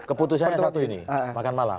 keputusan yang satu ini makan malam